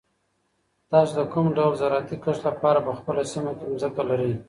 تاسو د کوم ډول زراعتي کښت لپاره په خپله سیمه کې ځمکه لرئ؟